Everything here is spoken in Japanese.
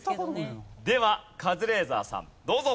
ではカズレーザーさんどうぞ。